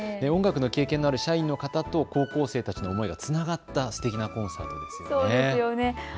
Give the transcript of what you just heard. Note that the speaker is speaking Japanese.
音楽の経験のある社員の方と高校生たちの思いがつながったすてきなコンサートになりましたね。